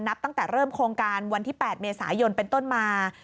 นับตั้งแต่เริ่มโครงการวันที่๘เมษายนเป็นต้นมา